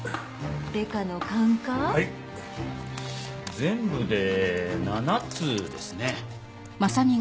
全部で７つですね。